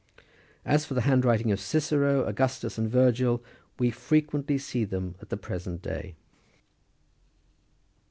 As for the handwriting of Cicero, Augustus, and Virgil, we frequently see them at the present day.